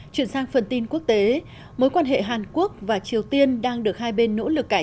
chuyển sang phần tin quốc tế mối quan hệ hàn quốc và triều tiên đang được hai bên nỗ lực cải